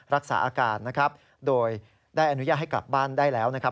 รักษาอาการนะครับโดยได้อนุญาตให้กลับบ้านได้แล้วนะครับ